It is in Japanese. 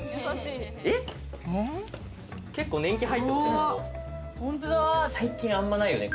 結構、年季入ってますね。